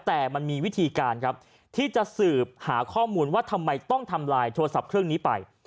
แต่มันมีวิธีการครับที่จะสืบหาข้อมูลว่าทำไมต้องทำลายโทรศัพท์เครื่องนี้ไป